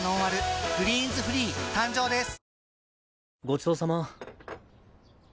ごちそうさま。